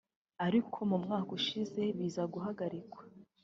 ariko mu mwaka ushize biza guhagarikwa